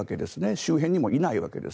周辺にもいないわけです。